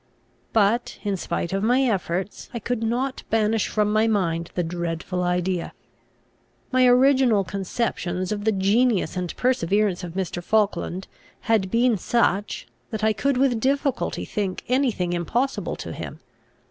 But, in spite of my efforts, I could not banish from my mind the dreadful idea. My original conceptions of the genius and perseverance of Mr. Falkland had been such, that I could with difficulty think any thing impossible to him.